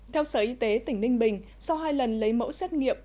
theo sở y tế tỉnh ninh bình sau hai lần lấy mẫu xét nghiệm